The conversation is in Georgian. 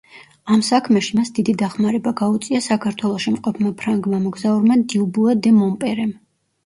ამ საქმეში მას დიდი დახმარება გაუწია საქართველოში მყოფმა ფრანგმა მოგზაურმა დიუბუა დე მონპერემ.